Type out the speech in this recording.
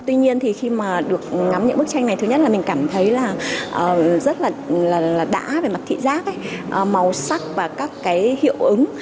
tuy nhiên thì khi mà được ngắm những bức tranh này thứ nhất là mình cảm thấy là rất là đã về mặt thị giác ấy màu sắc và các cái hiệu ứng